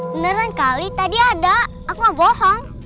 beneran kali tadi ada aku gak bohong